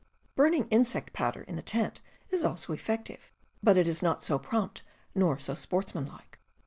Burning T ,. insect powder in the tent is also effective, Insects in. .. p but it is not so prompt nor so sports manlike.